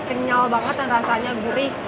kenyal banget dan rasanya gurih